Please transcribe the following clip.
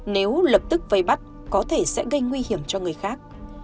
nếu lập tức vây bắt có thể sẽ gây nguy hiểm cho người khác